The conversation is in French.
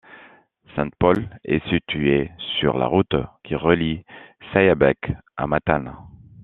Sainte-Paule est située sur la route qui relie Sayabec à Matane.